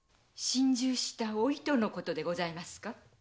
心中したお糸のことでございますか？